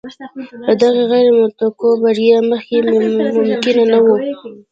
له دغې غیر متوقع بریا مخکې ممکنه نه وه.